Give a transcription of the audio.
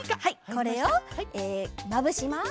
これをまぶします。